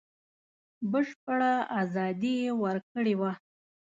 بشپړه ازادي یې ورکړې وه.